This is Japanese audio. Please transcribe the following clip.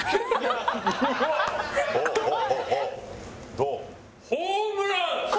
どう？